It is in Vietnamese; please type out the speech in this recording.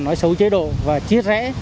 nói xấu chế độ và chia rẽ